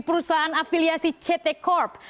perusahaan afiliasi ct corp